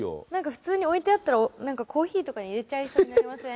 普通に置いてあったらなんかコーヒーとかに入れちゃいそうになりません？